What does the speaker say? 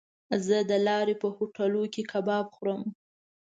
زه د لارې په هوټلو کې کباب خورم.